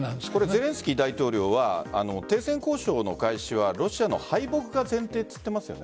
ゼレンスキー大統領は停戦交渉はロシアの敗北が前提と言ってますよ。